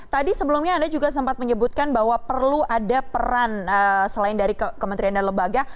tadi sebelumnya anda juga sempat menyebutkan bahwa perlu ada peran selain dari kementerian dan lembaga